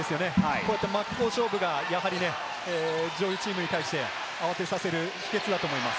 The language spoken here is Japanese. こうやって真っ向勝負が、上位チームに対して慌てさせる秘訣だと思います。